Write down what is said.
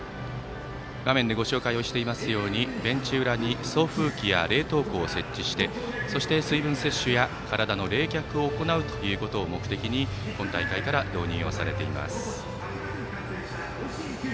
画面でご紹介をしていますようにベンチ裏に送風機や冷凍庫を設置してそして水分摂取や体の冷却を行うことを目的に今大会から導入されています。